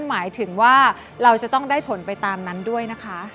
หมายถึงว่าเราจะต้องได้ผลไปตามนั้นด้วยนะคะ